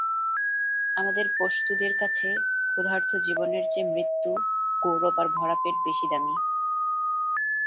আমাদের পশতুদের কাছে ক্ষুধার্ত জীবনের চেয়ে মৃত্যু, গৌরব আর ভরা পেট বেশি দামী।